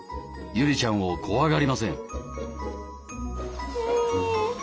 祐里ちゃんを怖がりません。